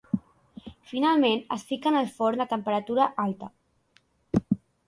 Finalment, es fiquen al forn a temperatura alta.